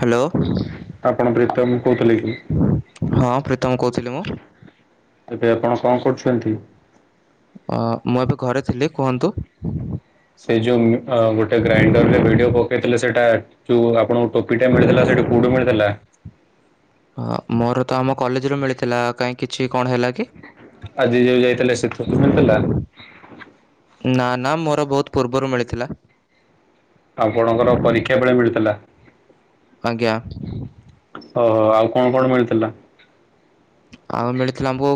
Hello. ଆପଣଙ୍କ ପ୍ରିତମ୍ କହୁଥିଲେ କିି? ହଁ ପ୍ରୀତମ କହୁଥିଲି ମୁଁ। ଏବେ ଆପଣ କଣ କରୁଛନ୍ତି? ଆ ମୁଁ ଏବେ ଘରେ ଥିଲି କୁହନ୍ତୁ। ସେ ଯୋଉ ଗୋଟେ ଗ୍ରାଇଣ୍ଡରରେ ଭିଡିଓ ପକେଇଥିଲେ ସେଟା ଯୋଉ ଆପଣଙ୍କୁ ଟୋପିଟା ମିଳିଥିଲା ସେଇଠା କୋଉଠୁ ମିଳିଥିଲା? ହ ମୋର ତ ଆମ କଲେଜ ରୁ ମିଳିଥିଲା କାହିଁକି? କିଛି କଣ ହେଲା କି? ଆଜି ଯୋଉ ଯାଇଥିଲେ ସେଥିରୁ ମିଳିଥିଲା? ନା ନା ମୋର ବହୁତ ପୂର୍ବରୁ ମିଳିଥିଲା। ଆଉ କଣଙ୍କର ପରୀକ୍ଷା ବେଳେ ମିଳୁଥିଲା। ଆଜ୍ଞା। ଓହୋ ଆଉ କଣ କଣ ମିଳିଥିଲା? ଆଉ ମିଳିଥିଲା ଆମକୁ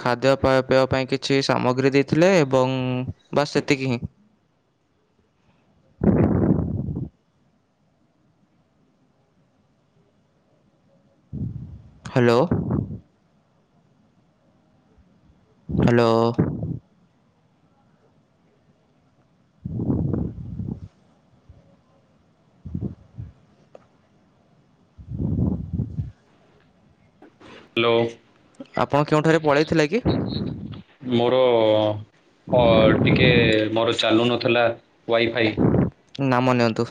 ଖାଦ୍ୟ ପେବା ପାଇଁ କିଛି ସାମଗ୍ରୀ ଦେଇଥିଲେ ଏବଂ ବାସ୍ ସେତିକି ହିଁ। ହ୍ୟାଲୋ। ହ୍ୟାଲୋ। ହ୍ୟାଲୋ। ଆପଣ କେଉଁଠାରେ ପଳେଇଥିଲେ କି ମୋର ଅ ଟିକେ ମୋର ଚାଲୁନଥିଲା ୱାଇଫାଇ। ନାମ ନିଅନ୍ତୁ।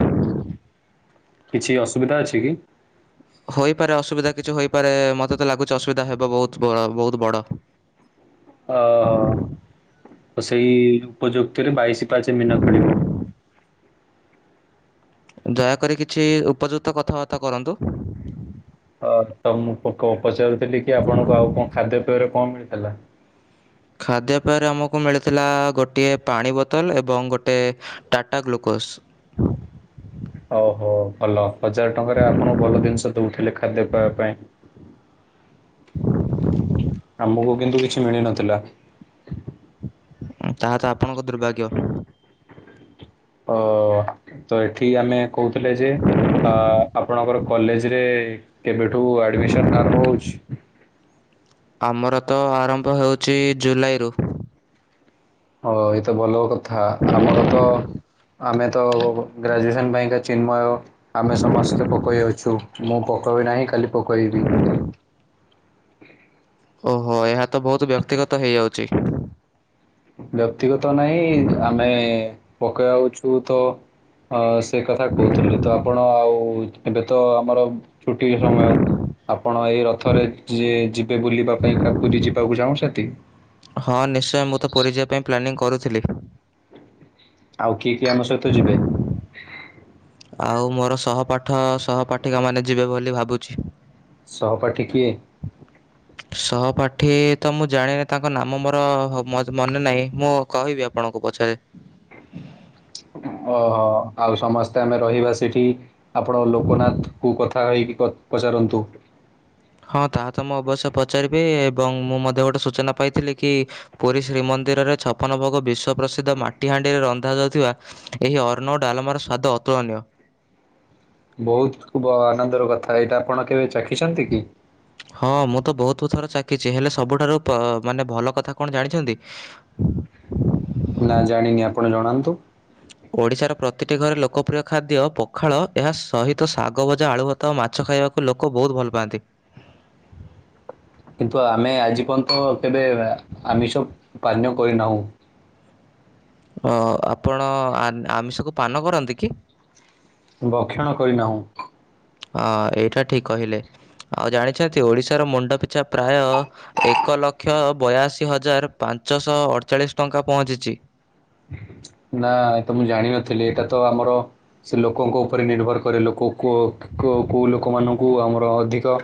କିଛି ଅସୁବିଧା ଅଛି କି? ହୋଇପାରେ ଅସୁବିଧା କିଛି ହୋଇପାରେ ମତେ ତ ଲାଗୁଛି ଅସୁବିଧା ହେବ ବହୁତ ବହୁତ ବଡ଼। ଓହୋ ସେଇ ଉପଯୁକ୍ତରେ ବାଇଶି ପାଚ ମିନ ଖେଳିବ। ଦୟାକରି କିଛି ଉପଯୁକ୍ତ କଥାବାର୍ତ୍ତା କରନ୍ତୁ। ହ ତ ମୁଁ ପଚାରୁଥିଲି କି ଆପଣଙ୍କୁ ଆଉ କଣ ଖାଦ୍ୟପେୟରେ କଣ ମିଳିଥିଲା। ଖାଦ୍ୟପେୟରେ ଆମକୁ ମିଳିଥିଲା ଗୋଟିଏ ପାଣି ବୋତଲ ଏବଂ ଗୋଟିଏ ଟାଟା ଗ୍ଲୁକୋସ୍। ଓହୋ ଭଲ ହଜାର ଟଙ୍କାରେ ଆପଣଙ୍କୁ ଭଲ ଜିନିଷ ଦଉଥିଲେ ଖାଦ୍ୟ ପବା ପାଇଁ ଆମକୁ କିନ୍ତୁ କିଛି ମିଳି ନଥିଲା। ତାହା ତ ଆପଣଙ୍କ ଦୁର୍ଭାଗ୍ୟ। ଅ ତ ଏଠି ଆମେ କହୁଥିଲେ ଯେ ଆପଣଙ୍କର କଲେଜରେ କେବେଠୁ ଆଡ଼ମିସନ୍ ଆରମ୍ଭ ହେଉଛି। ଆମର ତ ଆରମ୍ଭ ହେଉଛି ଜୁଲାଇରୁ। ହଁ ଏଇତ ଭଲ କଥା ଆମର ତ ଆମେ ତ ଗ୍ରାଜୁଏସନ୍ ପାଇଁକା ଚିନ୍ମୟ ଆମେ ସମସ୍ତେ ପକାଇ ଅଛୁ। ମୁଁ ପକବି ନାହିଁ କାଲି ପକାଇବି। ଓହୋ ଏହା ତ ବହୁତ ବ୍ୟକ୍ତିଗତ ହେଇଯାଉଛି। ବ୍ୟକ୍ତିଗତ ନହିଁ ଆମେ ପକେଇାଉଛୁ ତ ସେ କଥା କହୁଥିଲି ତ ଆପଣ ଆଉ ଏବେ ତ ଆମର ଛୁଟି ସମୟ ଆପଣ ଏଇ ରଥରେ ଯିଏ ଯିବେ ବୁଲିବା ପାଇଁ କାକୁରି ଯିବାକୁ ଚାହୁଁ ସେଠ ହଁ ନିଶ୍ଚୟ ମୁଁ ତ ପୁରୀ ଯିବା ପାଇଁ ପ୍ଲାନିଂ କରୁଥିଲି। ଆଉ କିଏ କିଏ ଆମ ସହିତ ଯିବେ? ଆଉ ମୋର ସହପାଠ ସହପାଠିକା ମାନେ ଯିବେ ବୋଲି ଭାବୁଛି। ସହପାଠୀ କି ସହପାଠୀ ତ ମୁଁ ଜାଣିନି ତାଙ୍କ ନାମ ମୋର ମନେ ନାହିଁ ମୁଁ କହିବି ଆପଣଙ୍କ ପଛରେ ଓହୋ ଆଉ ସମସ୍ତେ ଆମେ ରହିବା ସେଠି। ଆପଣ ଲୋକନାଥ କୁ କଥା ହେଇକି ପଚାରନ୍ତୁ। ହଁ ତାହା ତ ମୁଁ ଅବଶ୍ୟ ପଚାରିବି ଏବଂ ମୁଁ ମଧ୍ୟ ଗୋଟେ ସୂଚନା ପାଇଥିଲି କି ପୁରୀ ଶ୍ରୀମନ୍ଦିରରେ ଛପନ ଭୋଗ ବିଶ୍ଵ ପ୍ରସିଦ୍ଧ ମାଟିହାଣ୍ଡିରେ ରନ୍ଧାଯାଉଥିବା। ଏହି ଅର୍ଣ ଡାଲମାର ସ୍ଵାଦ ଅତୁଳନୀୟ। ବହୁତ ଆନନ୍ଦର କଥା ଏଇଟା ଆପଣ କେବେ ଚାଖିଛନ୍ତି କି ହଁ ମୁଁ ତ ବହୁତ୍ ବହୁତ୍ ଥର ଚଖିଛି ହେଲେ ସବୁଠାରୁ ଭ ମାନେ ଭଲ କଥା କଣ ଜାଣିଛନ୍ତି ହ ନା ଜାଣିନି ଆପଣ ଜଣାନ୍ତୁ ଓଡ଼ିଶାର ପ୍ରତିଟି ଘରେ ଲୋକପ୍ରିୟ ଖାଦ୍ୟ ପଖାଳ ଏହା ସହିତ ଶାଗଭଜା ଆଳୁଭତ ତ ମାଛ ଖାଇବାକୁ ଲୋକ ବହୁତ ଭଲ ପାଆନ୍ତି କିନ୍ତୁ ଆମେ ଆଜି ପର୍ଯ୍ୟନ୍ତ କେବେ ଆମିଷ ପାନୀୟ କରିନାହୁଁ ଆପଣ ଆମିଷକୁ ପାନ କରନ୍ତି କି ଭକ୍ଷଣ କରିନାହୁଁ ହଁ ଏଇଟା ଠିକ୍ କହିଲେ ଆଉ ଜାଣିଛନ୍ତି ଓଡ଼ିଶାର ମୁଣ୍ଡ ପିଛା ପ୍ରାୟ ଏକ ଲକ୍ଷ ବୟାଅଶୀ ହଜାର ପାଞ୍ଚଶହ ଅଠଚାଳିଶ ଟଙ୍କା ପହଞ୍ଚିଛି ନା ଏ ତ ମୁଁ ଜାଣିନଥିଲି ଏଇଟା ତ ଆମର ସେ ଲୋକଙ୍କ ଉପରେ ନିର୍ଭର କରେ ଲୋକ କୋଉ ଲୋକମାନଙ୍କୁ ଆମର ଅଧିକ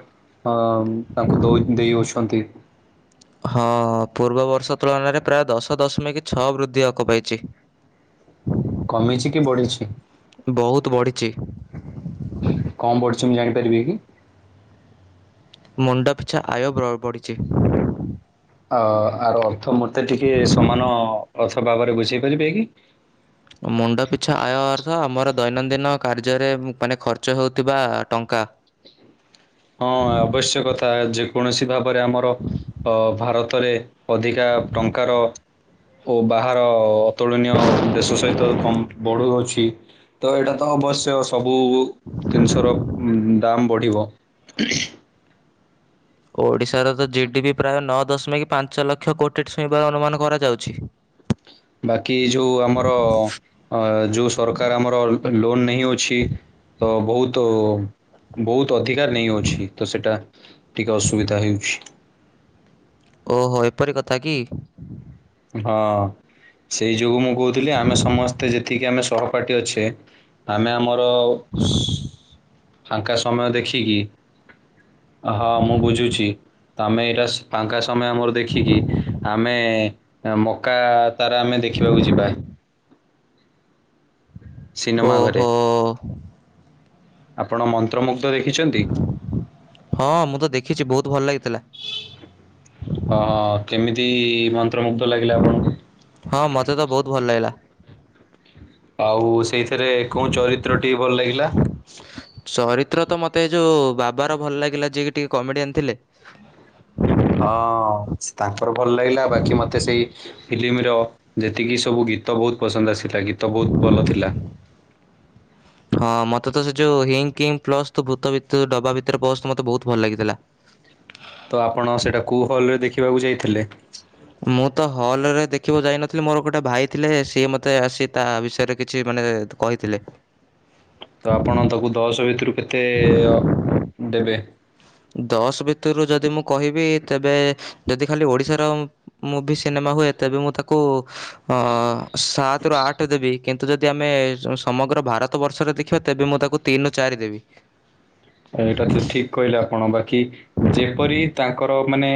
ହଁ ତାଙ୍କୁ ଦ ଦେଇ ଅଛନ୍ତି ହଁ ପୂର୍ବ ବର୍ଷ ତୁଳନାରେ ପ୍ରାୟ ଦଶ ଦଶମିକ ଛଅ ବୃଦ୍ଧି ହକ ପାଇଛି କମିଛି କି ପଢଛି ବହୁତ ବଢ଼ିଛି କଣ ପଢୁଛି ମୁଁ ଜାଣିପାରିବି କି ମୁଣ୍ଡ ପିଛା ଆୟ ବ ବଢ଼ିଛି ଅ ଆର୍ ଅର୍ଥ ମତେ ଟିକେ ସମାନ ଅର୍ଥ ଭାବରେ ବୁଝେଇ ପାରିବେ କି ମୁଣ୍ଡ ପିଛା ଆୟ ଅର୍ଥ ଆମର ଦୈନନ୍ଦିନ କାର୍ଯ୍ୟରେ ମାନେ ଖର୍ଚ୍ଚ ହେଉଥିବା ଟଙ୍କା ହଁ ଆବଶ୍ୟକଥା ଯେକୌଣସି ଭାବରେ ଆମର ଅ ଭାରତରେ ଅଧିକା ଟଙ୍କାର ଓ ବାହାର ଅତୁଳନୀୟ ଦେଶ ସହିତ କ ବଢ଼ୁଅାଉଛି ତ ଏଇଟା ତ ଅବଶ୍ୟ ସବୁ ଜତିିନିଷର ଦମ୍ ବଢ଼ିବ ଓଡ଼ିଶାର ତ ଜି ଡି ବିି ପ୍ରାୟ ନଅ ଦଶମିକ ପାଞ୍ଚ ଲକ୍ଷ କୋଟି ଛୁଇଁବାର ଅନୁମାନ କରାଯାଉଛି ବାକି ଯୋଉ ଆମର ଯୋଉ ସରକାର ଆମର ଲୋନ ନେଇ ଅଛି ତ ବହୁତ ବହୁତ ଅଧିକାର ନେଇ ଅାଉଛି ତ ସେଇଟା ଟିକିେ ଅସୁବିଧା ହେଉଛି ଓହୋ ଏପରି କଥା କି ହଁ ସେଇ ଯୋଗୁ ମୁଁ କହୁଥିଲି ଆମେ ସମସ୍ତେ ଯେତିକି ଆମେ ସହପାଠୀ ଅଛେ ଆମେ ଆମର ଫାଙ୍କା ସମୟ ଦେଖିକି ହଁ ମୁଁ ବୁଝୁଛି ତ ଆମେ ଏଇଟା ଫାଙ୍କା ସମୟ ଆମର ଦେଖିକି ଆମେ ମକା ତାର ଆମେ ଦେଖିବାକୁ ଯିବା ସିନେମା ଘରେ ଓହୋ। ଆପଣ ମନ୍ତ୍ର ମନ୍ତ୍ର ଦେଖିଛନ୍ତି ହଁ ମୁଁ ତ ଦେଖିଛି ବହୁତ ଭଲ ଲାଗିଥିଲା ହଁ କେମିତି ମନ୍ତ୍ରମୁଗ୍ଧ ଲାଗିଲା ଆପଣଙ୍କୁ ହଁ ମୋତେ ତ ବହୁତ ଭଲ ଲାଗିଲା ଆଉ ସେଇଥିରେ କୋଉ ଚରିତ୍ରଟିି ଭଲ ଲାଗିଲା ଚରିତ୍ର ତ ମତେ ଏ ଯୋଉ ବାବାର ଭଲ ଲାଗିଲା ଯିଏ କି ଟିକେ କମେଡିଆନ୍ ଥିଲେ ହଁ ତାଙ୍କର ଭଲ ଲାଗିଲା ବାକି ମତେ ସେଇ ଫିଲ୍ମ ମେର ଯେତିକି ସବୁ ଗୀତ ବହୁତ ପସନ୍ଦ ଆସିଥିଲା ଗୀତ ବହୁତ ଭଲ ଥିଲା ହଁ ମୋତେ ତ ସେ ଯୋଉ ହିଙ୍ଗ କିଙ୍ଗ ପ୍ଲସ୍ ତୁ ଭୂତ ଡବା ଭିତରେ ବସ ମୋତେ ବହୁତ ଭଲ ଲାଗିଥିଲା ତ ଆପଣ ସେଇଟା କଉ ହଲ ରେ ଦେଖିବାକୁ ଯାଇଥିଲେ ମୁଁ ତ ହଲରେ ଦେଖିବକୁ ଯାଇନଥିଲି ମୋର ଗୋଟେ ଭାଇ ଥିଲେ ସିଏ ମୋତେ ଆସି ତା ବିଷୟରେ କିଛି ମାନେ କହିଥିଲେ ତ ଆପଣ ତାକୁ ଦଶ ଭିତରୁ କେତେ [inaudible] ଦେବେ ଦଶ ଭିତରୁ ଯଦି ମୁଁ କହିବି ତେବେ ଯଦି ଖାଲି ଓଡିଶାର ମୁଁଭି ସିନେମା ହୁଏ ତେବେ ମୁଁ ତାକୁ ଆସାତରୁୁ ଆଠ ଦେବି କିନ୍ତୁ ଯଦି ଆମେ ସମଗ୍ର ଭାରତ ବର୍ଷରେ ଦେଖିବା ତେବେ ମୁଁ ତାକୁ ତିନିରୁ ଚାରି ଦେବି ଏଇଟା ତ ଠିକ କହିଲେ କଣ ବାକି ଯେପରି ତାଙ୍କର ମାନେ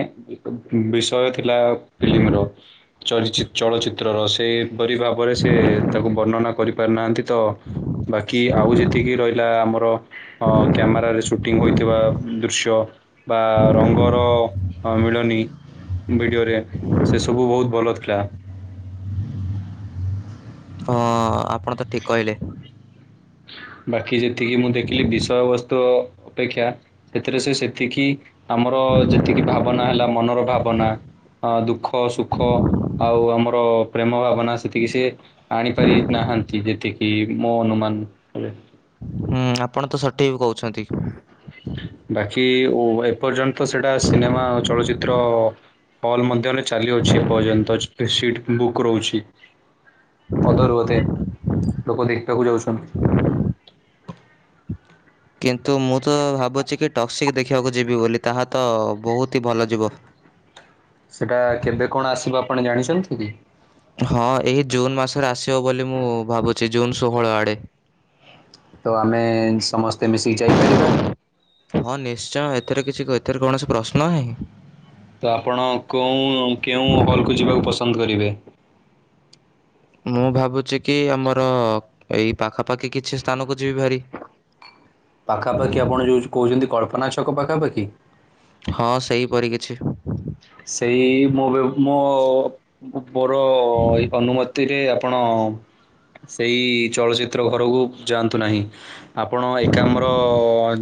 ବିଷୟ ଥିଲା ଫିଲ୍ମମିର। ଚରିଚି ଚଳଚ୍ଚିତ୍ରର ସେହିପରି ଭାବରେ ସେ ତାକୁ ବର୍ଣ୍ଣନା କରିପାରିନାହାନ୍ତି। ତ ବାକି ଆଉ ଯେତିକି ରହିଲା ଆମର ଅ ସୁଟିଙ୍ଗି ହୋଇଥିବା ଦୃଶ୍ୟ ବା ରଙ୍ଗର ମିଳନି। ଭିଡ଼ିଓରେ ସେ ସବୁ ବୋହୁତୁ ଭଲ ଥିଲା। ହଁ ଆପଣ ତ ଠିକ୍ କହିଲେ। ବାକି ଯେତିକି ମୁଁ ଦେଖିଲି ବିଷୟ ବସ୍ତୁ ଅପେକ୍ଷା ସେଥିରେ ସେ ସେତିକି ଆମର ଯେତିକି ଭାବନା ହେଲା ମନର ଭାବନା ଅ ଦୁଃଖ ସୁଖ ଆଉ ଆମର ପ୍ରେମ ଭାବନା ସେତିକି ସିଏ ଆଣିପାରି ନାହାନ୍ତି ଯେତିକିି ମୋ ଅନୁମାନରେ। ହୁଁ ଆପଣ ତ ସଠେକ୍ କୋହୁଛନ୍ତି। ବାକି ଓ ଏପର୍ଯ୍ୟନ୍ତ ସେଟା ସିନେମା ଚଳଚିତ୍ର ହଲ ମଧ୍ୟରେ ଚାଲିଅଛି ଏପର୍ଯ୍ୟନ୍ତ ସିଟ୍ ବୁକ୍ ରୋହୁଛି। ଅଧାରୁ ଅଧେ ଲୋକୋ ଦେଖିବା କୁ ଯାଉଛନ୍ତି। କିନ୍ତୁ ମୁଁ ତ ଭାବୁଛି କି ଟକ୍ସିକ୍ ଦେଖିବାକୁ ଯିବି ବୋଲି ତାହା ତ ବୋହୁତି ଭଲ ଯିବ। ସେଟା କେବେ କଣ ଆସିବ ଆପଣ ଜାଣିଛନ୍ତିକି। ହଁ ଏଇ ଜୁନ୍ ମାସରେ ଆସିବ ବୋଲି ମୁଁ ଭାବୁଛି ଜୁନ୍ ଶୋହୋଳ ଆଡ଼େ। ତ ଆମେ ସମସ୍ତେ ମିଶିକି ଯାଇପାରିବା। ହଁ ନିଶ୍ଚୟ ହେଥିରେ କିଛି କ ଏଥିରେ କୌଣସି ପ୍ରଶ୍ନ ନାହିଁ। ତ ଆପଣ କୋଉଁ କେଉଁ ହଲ୍ ଯିବାକୁ ପସନ୍ଦ କରିବେ। ମୁଁ ଭାବୁଛି କି ଆମର ଏଇ ପାଖାପାଖି କିଛି ସ୍ଥାନକୁ ଯିବି ଭାରି। ପାଖାପାଖି ଆପଣ ଯୋଉ କୋହୁଛନ୍ତି କଳ୍ପନା ଛକ ପାଖାପାଖି। ହଁ ସେହିପରି କିଛି। ସେଇ ମୁଁ ବି ମୋ [unintelligible] ଏଇ ଅନୁମତିରେ ଆପଣ ସେଇ ଚଳଚ୍ଚିତ୍ର ଘରକୁ ଯାଆନ୍ତୁ ନାହିଁ। ଆପଣ ଏକାମ୍ର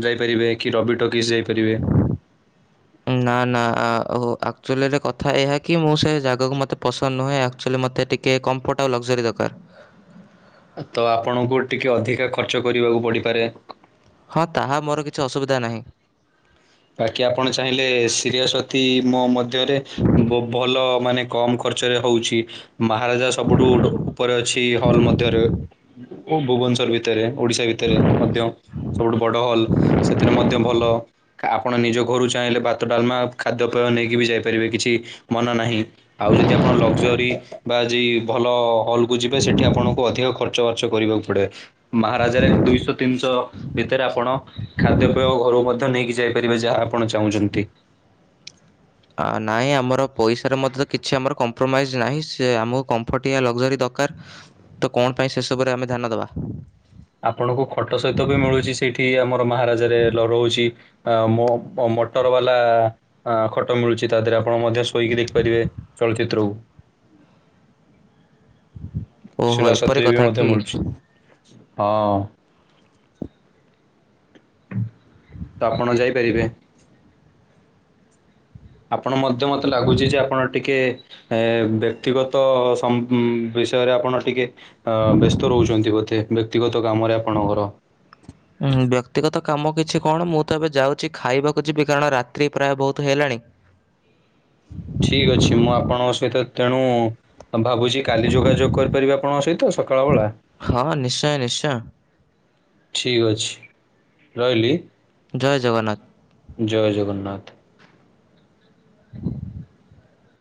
ଯାଇପାରିବେ କି ରବି ଟକିସ୍ ଯାଇପାରିବେ। ନାଁ ନାଁ [unintelligible] ଆକ୍ଚୋଲି ରେ ଏହା କି ମୁଁ ସେ ଜାଗାକୁ ମତେ ପସନ୍ଦ ନୁହେଁ ଆକ୍ଚୋଲି ମୋତ ଟିକେ କମ୍ଫୋର୍ଟ ଆଉ ଲଗ୍ଜରି ଦରକାର। ତ ଆପଣଙ୍କୁ ଟିକେ ଅଧିକା ଖର୍ଚ୍ଚ କରିବାକୁ ପଡିପାରେ। ହଁ ତାହା ମୋର କିଛି ଅସୁବିଧା ନାହିଁ। ବାକି ଆପଣ ଚାହିଁଲେ ସିରିଆଶ୍ଵତି ମୋ ମଧ୍ୟରେ ବୋ ଭଲ ମାନେ କମ ଖର୍ଚ୍ଚରେ ହୋଉଛି ମହାରାଜା ସବୁଠୁ ଉପରେ ଅଛି ହଲ ମଧ୍ୟରେ। ଓ ଭୁବନଶ୍ଵର ଭିତରେ ଓଡିଶା ଭିତରେ ମଧ୍ୟ। ସବୁଠୁ ବଡ଼ ହଲ୍ ସେଥିରେ ମଧ୍ୟ ଭଲ କା ଆପଣ ନିଜ ଘରୁ ଚାହିଁଲେ ଭାତ ଡାଲମା ଖାଦ୍ୟପେୟ ନେଇକି ବି ଯାଇପାରିବେ କିଛି ମନା ନାହିଁ। ଆଉ ଯଦି ଆପଣ ଲଗ୍ଜରି ବା ଯେଇ ଭଲ ହଲ୍ କୁ ଯିବେ ସେଠି ଆପଣଙ୍କୁ ଅଧିକ ଖର୍ ର୍ଚ୍ଚ ବାର୍ଚ୍ଚ କରିବାକୁ ପଡେ। ମହାରାଜାରେ ଦୁଇଶହ ତିନିଶହ ଭିତରେ ଆପଣ ଖାଦ୍ୟପେୟ ଘରୁ ମଧ୍ୟ ନେଇକି ଯାଇ ପାରିବେ ଯାହା ଆପଣ ଚାହୁଁଚନ୍ତି। ଆ ନାଇଁ ଆମର ପଇସାରେ ମତେ ତ କିଛି ଆମର କମ୍ପ୍ରୋମାଇଜ୍ ନାହିଁ ସେ ଆମକୁ କମ୍ଫଟିଆ ଲଗ୍ଜରୀ ଦକାର। ତ କଣ ପାଇଁ ସେ ସବୁରେ ଆମେ ଧ୍ୟାନ ଦବା। ଆପଣଙ୍କୁ ଖଟ ସହିତ ବି ମିଳୁଛି ସେଇଠି ଆମର ମହାରାଜାରେ ଲ ରୋହୁଛି। ଆଁ ମୋ [unintelligible] ମଟର୍ ବାଲା। ଆଁ ଖଟ ମିଳୁଛି ତା ଦେହେରେ ଆପଣ ମଧ୍ୟ ଶୋଇକି ଦେଖିପାରିବେ ଚଳଚିତ୍ରକୁ। ଓହୋ [unintelligible] ଏପରି ବି କଥା ମଧ୍ୟ କି? ମିଳୁଛି ହଁ। ତ ଆପଣ ଯାଇପାରିବେ। ଆପଣ ମଧ୍ୟ ମତେ ଲାଗୁଚି ଯେ ଆପଣ ଟିକିଏ। ଏଁ ବ୍ୟକ୍ତିଗତ ସମ୍ ବିଷୟରେ ଆପଣ ଟିକେ ଅଁ ବେସ୍ତ ରୋହୁଚନ୍ତି ବୋଧେ ବ୍ୟକ୍ତିଗତ କାମରେ ଆପଣଙ୍କର। ଉଁ ବ୍ୟକ୍ତିଗତ କାମ କିଛି କଣ ମୁଁ ତ ଏବେ ଯାଉଛି ଖାଇବାକୁ ଯିବି, କାରଣ ରାତ୍ରି ପ୍ରାୟ ବହୁତ ହେଲାଣି। ଠିକ୍ ଅଛି ମୁଁ ଆପଣଙ୍କ ସହିତ ତେଣୁ ଭାବୁଚି କାଲି ଯୋଗାଯୋଗ କରିପାରିବି ଆପଣଙ୍କ ସହିତ ସକାଳ ବଳା। ହଁ ନିଶ୍ଚୟ ନିଶ୍ଚୟ। ଠିକ ଅଛି ରହିଲି। ଜୟ ଜଗନ୍ନାଥ। ଜୟ ଜଗନ୍ନାଥ।